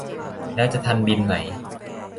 แล้วจะทันบินไหม